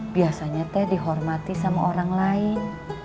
biasanya teh dihormati sama orang lain